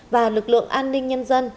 và lực lượng an ninh nhân dân